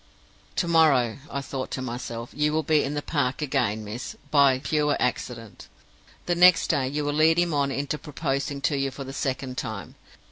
"'To morrow,' I thought to myself, 'you will be in the park again, miss, by pure accident. The next day, you will lead him on into proposing to you for the second time.